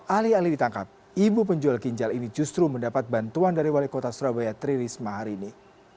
alih alih ditangkap ibu penjual ginjal ini justru mendapat bantuan dari wali kota surabaya tri risma hari ini